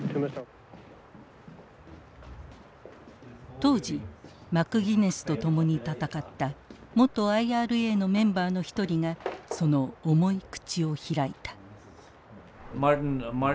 当時マクギネスと共に闘った元ＩＲＡのメンバーの一人がその重い口を開いた。